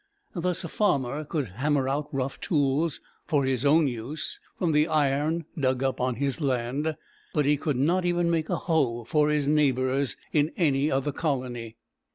Thus, a farmer could hammer out rough tools for his own use from the iron dug up on his land, but he could not make even a hoe for his neighbors in any other colony.